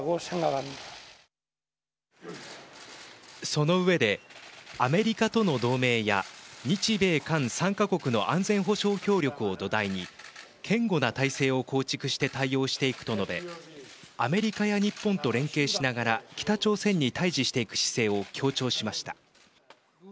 その上で、アメリカとの同盟や日米韓３か国の安全保障協力を土台に堅固な体制を構築して対応していくと述べアメリカや日本と連携しながら北朝鮮に対じしていく姿勢を強調しました。